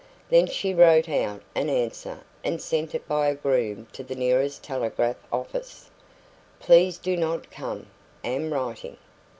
Then she wrote out an answer and sent it by a groom to the nearest telegraph office: "Please do not come. Am writing."